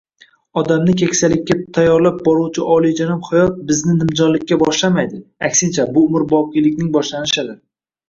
Odamni keksalikka tayyorlab boruvchi oliyjanob hayot bizni nimjonlikka boshlamaydi. Aksincha, bu umrboqiylikning boshlanishidir.